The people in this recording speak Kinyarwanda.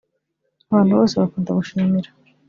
Abantu bose bakunda gushimira